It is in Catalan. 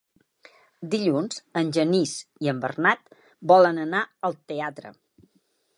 Dilluns en Genís i en Bernat volen anar al teatre.